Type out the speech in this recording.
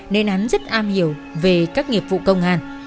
nên án rất am hiểu về các nghiệp vụ công an